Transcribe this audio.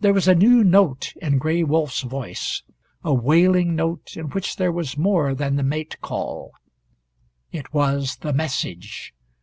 There was a new note in Gray Wolf's voice, a wailing note in which there was more than the mate call. It was The Message.